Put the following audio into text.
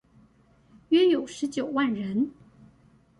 約有十九萬人